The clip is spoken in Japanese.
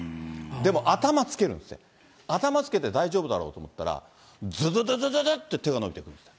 でも頭つけるんです、頭つけて大丈夫だろうと思ったら、ずずずずって手が伸びてくるんですって。